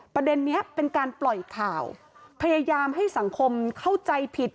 ประเด็นนี้เป็นการปล่อยข่าวพยายามให้สังคมเข้าใจผิด